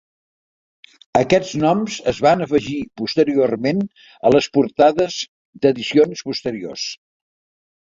Aquests noms es van afegir posteriorment a les portades d"edicions posteriors.